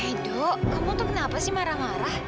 edo kamu tuh kenapa sih marah marah